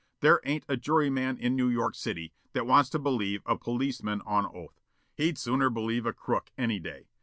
There ain't a juryman in New York City that wants to believe a policeman on oath. He'd sooner believe a crook, any day.